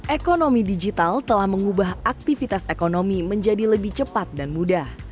ekonomi digital telah mengubah aktivitas ekonomi menjadi lebih cepat dan mudah